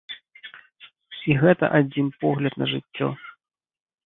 І гэта адзін погляд на жыццё.